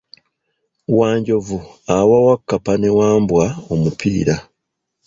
Wanjovu awa Wakkapa ne Wambwa omupiira.